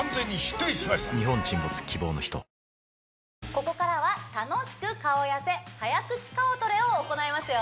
ここからは楽しく顔痩せ早口顔トレを行いますよ